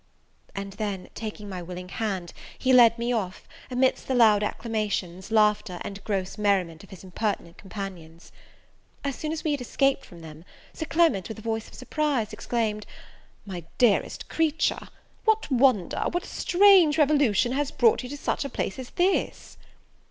And then taking my willing hand, he led me off, amidst the loud acclamations, laughter, and gross merriment of his impertinent companions. As soon as we had escaped from them, Sir Clement, with a voice of surprise, exclaimed, "My dearest creature, what wonder, what strange revolution, has brought you to such a place as this?"